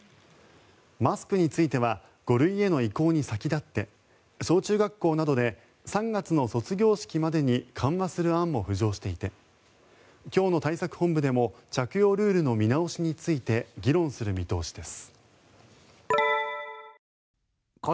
マスクについては５類への移行に先立って小中学校などで３月の卒業式までに緩和する案も浮上していて今日の対策本部でも着用ルールの見直しについて議論する見通しです。